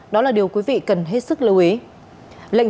đó là điều quý vị cần biết